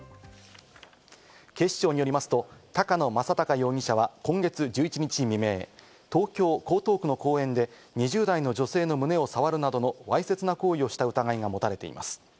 警視庁によりますと、高野正貴容疑者は今月１１日未明、東京・江東区の公園で、２０代の女性の胸をさわるなどのわいせつな行為をした疑いが持たれています。